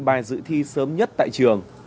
bài dự thi sớm nhất tại trường